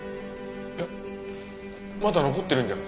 いやまだ残ってるんじゃ。